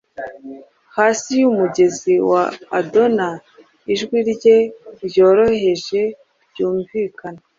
Hasi yumugezi wa Adona ijwi rye ryoroheje ryumvikana